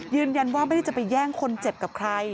ยืนยันว่าไม่ได้จะไปแย่งคนเจ็บกับใคร